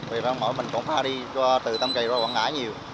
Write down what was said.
vì mỗi mình cũng phải đi từ tâm kỳ qua quảng ngãi nhiều